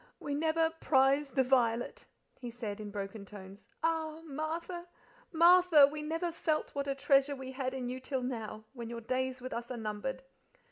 "'We never prize the violet,'" he said, in broken tones. "Ah! Martha, Martha! we never felt what a treasure we had in you till now, when your days with us are numbered."